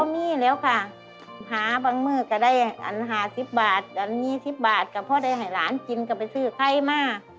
มีแล้วค่ะพาบางมือก็ได้อันหา๑๐บาทอันนี้๑๐บาทก็พ่อร้านหายลานกินก็ไปซื้อค่ะให้มา